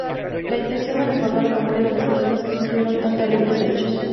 La intención es recordar la memoria de las personas que sufrieron tan terribles hechos.